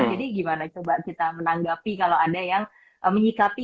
jadi gimana coba kita menanggapi kalau ada yang menyikapi